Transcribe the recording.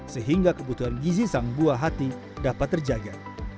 sehingga kebutuhan gizi sang buah hati dapat terjaga